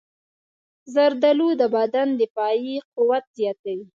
زردالو د بدن دفاعي قوت زیاتوي.